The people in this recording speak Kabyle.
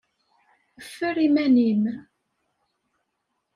Ffer iman-im!